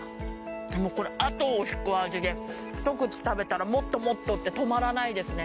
でもこれ後を引く味でひと口食べたらもっともっとって止まらないですね